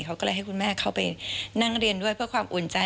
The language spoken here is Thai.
เขาก็เลยให้คุณแม่เข้าไปนั่งเรียนด้วยเพื่อความอุ่นใจ